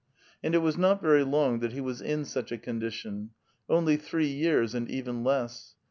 And it was not very long that he was m such a condition, — only three years, and even less.